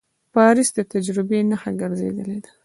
پاریس د تجربې نښه ګرځېدلې ده.